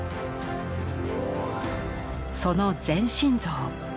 その全身像。